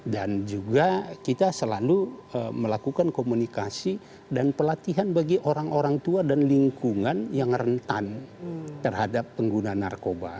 dan juga kita selalu melakukan komunikasi dan pelatihan bagi orang orang tua dan lingkungan yang rentan terhadap pengguna narkoba